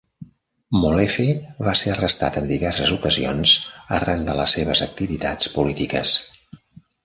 Molefe va ser arrestat en diverses ocasions arran de les seves activitats polítiques.